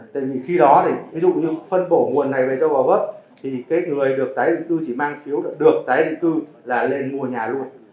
tại vì khi đó thì ví dụ như phân bổ nguồn này về cho gò vấp thì cái người được tái định cư chỉ mang phiếu đã được tái định cư là lên mua nhà luôn